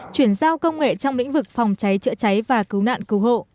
chuyển giao công nghệ trong lĩnh vực phòng cháy chữa cháy và cứu nạn cứu hộ